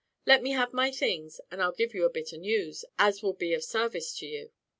Let me have my things, and I'll give you a bit o' news, as will be of sarvice to you."